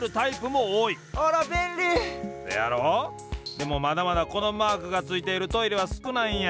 でもまだまだこのマークがついているトイレはすくないんや。